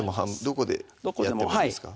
どこでやってもいいですか？